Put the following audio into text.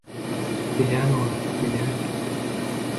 - Bilýän oglum, bilýän.